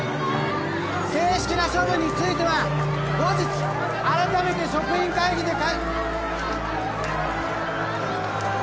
正式な処分については後日あらためて職員会議で。